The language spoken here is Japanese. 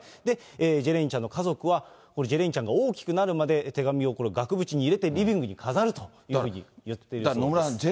で、ジャレインちゃんの家族は、これ、ジェレインちゃんが大きくなるまで、手紙を額縁に入れてリビングに飾ると言っているそうです。